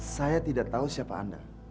saya tidak tahu siapa anda